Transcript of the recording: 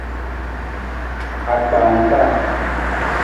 Akpaawung taa.